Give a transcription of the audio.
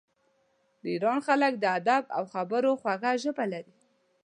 د ایران خلک د ادب او خبرو خوږه ژبه لري.